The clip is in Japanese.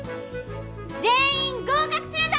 全員合格するぞ！